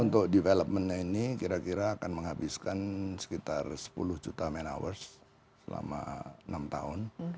untuk developmentnya ini kira kira akan menghabiskan sekitar sepuluh juta man hour selama enam tahun